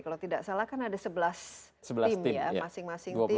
kalau tidak salah kan ada sebelas tim